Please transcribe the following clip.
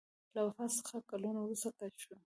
له وفات څخه کلونه وروسته کشف شو.